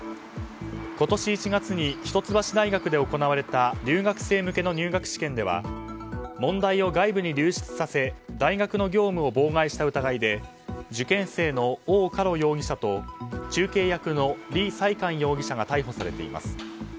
今年１月に一橋大学で行われた留学生向けの入学試験では問題を外部に流出させ大学の業務を妨害した疑いで受験生のオウ・カロ容疑者と中継役のリ・サイカン容疑者が逮捕されています。